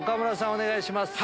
お願いします。